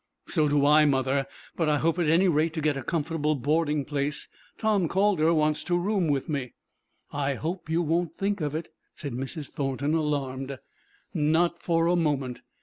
"So do I, mother; but I hope at any rate to get a comfortable boarding place. Tom Calder wants to room with me." "I hope you won't think of it," said Mrs. Thornton, alarmed. "Not for a moment.